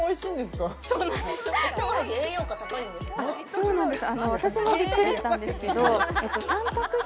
そうなんです